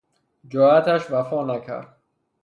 جرأتش وفانکرد